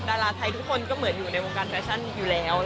ดาราไทยทุกคนก็เหมือนอยู่ในวงการแฟชั่นอยู่แล้ว